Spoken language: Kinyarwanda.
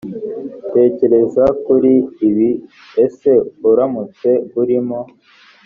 tekereza kuri ibi ese uramutse urimo